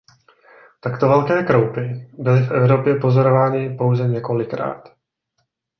Takto velké kroupy byly v Evropě pozorovány pouze několikrát.